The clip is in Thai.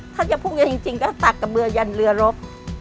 ถ้าจะพูดจริงก็ตากะเบื่อยันเรือรบ